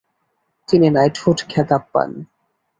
তিনি নাইটহুড খেতাব পান।